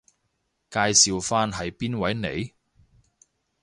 介紹返係邊位嚟？